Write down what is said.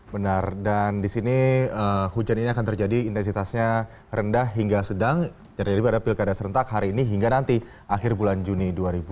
benar dan di sini hujan ini akan terjadi intensitasnya rendah hingga sedang terjadi pada pilkada serentak hari ini hingga nanti akhir bulan juni dua ribu delapan belas